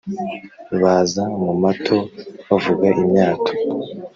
baza mu mato bavuga imyato